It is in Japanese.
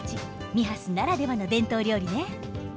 ミハスならではの伝統料理ね。